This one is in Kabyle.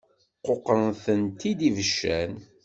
Quqṛen-tent-id ibeccan.